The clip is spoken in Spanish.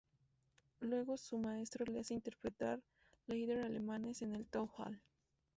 Luego su maestro la hace interpretar Lieder alemanes en el Town Hall.